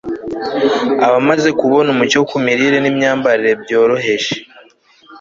abamaze kubona umucyo ku mirire n'imyambarire byoroheje